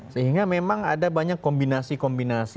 sehingga memang ada banyak kombinasi kombinasi